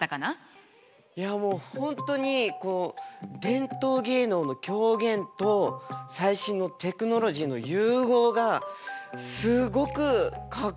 いやもう本当に伝統芸能の狂言と最新のテクノロジーの融合がすごくかっこよかったですね。